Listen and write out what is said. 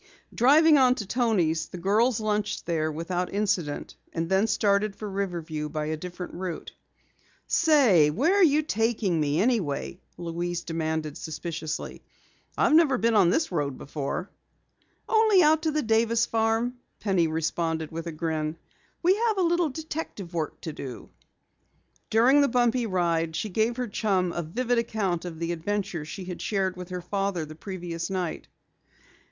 Driving on to Toni's, the girls lunched there without incident, and then started for Riverview by a different route. "Say, where are you taking me anyway?" Louise demanded suspiciously. "I've never been on this road before." "Only out to the Davis farm," Penny responded with a grin. "We have a little detective work to do." During the bumpy ride, she gave her chum a vivid account of the adventure she had shared with her father the previous night.